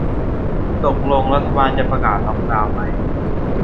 ตกลงรัฐบาลจะประกาศล็อกดาวไหม